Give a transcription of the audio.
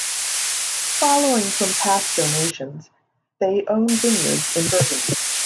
Following from past donations, they own vineyards in Burgundy.